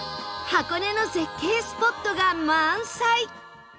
箱根の絶景スポットが満載